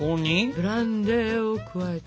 ブランデーを加えて。